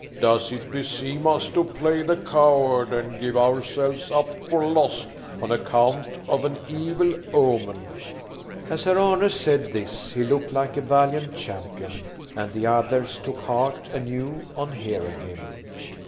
Does it beseem us to play the coward and give ourselves up for lost on account of an evil omen?" As Herr Arne said this he looked like a valiant champion, and the others took heart anew on hearing him.